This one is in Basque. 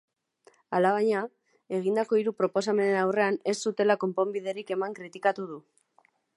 Alabaina, egindako hiru proposamenen aurrean ez zutela konponbiderik eman kritikatu du.